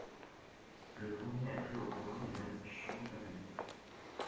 Le premier a trait au programme des investissements d’avenir.